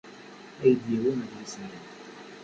Ad yi-d-yawi adlis-nni.